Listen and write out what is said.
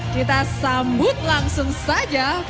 kita sambut langsung saja